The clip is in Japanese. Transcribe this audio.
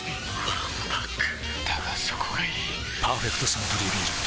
わんぱくだがそこがいい「パーフェクトサントリービール糖質ゼロ」